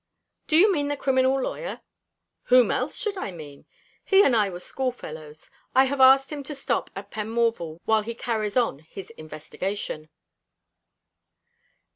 "Do you mean the criminal lawyer?" "Whom else should I mean? He and I were schoolfellows. I have asked him to stop at Penmorval while he carries on his investigation."